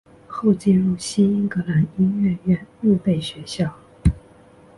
后进入新英格兰音乐院预备学校。